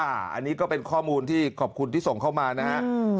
อันนี้ก็เป็นข้อมูลที่ขอบคุณที่ส่งเข้ามานะฮะ